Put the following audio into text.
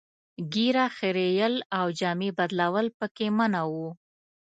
ږیره خرییل او جامې بدلول پکې منع وو.